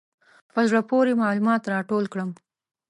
په زړه پورې معلومات راټول کړم.